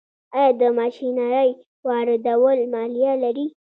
آیا د ماشینرۍ واردول مالیه لري؟